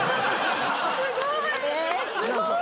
すごい！